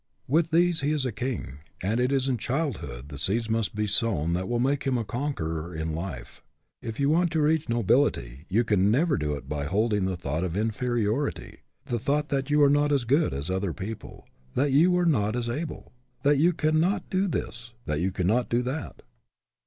With these he is a king, and it is in childhood the seeds must be sown that will make him a conqueror in life. If you want to reach nobility, you can never do it by holding the thought of inferiority, the thought that you are not as good as other people; that you are not as able; that you cannot do this; that you cannot do that.